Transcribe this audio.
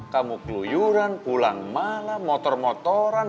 kamu keluyuran pulang malah motor motoran